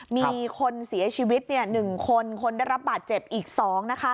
มีคนเสียชีวิตเนี่ย๑คนคนได้รับบาดเจ็บอีก๒นะคะ